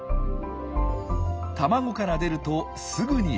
卵から出るとすぐに脱皮。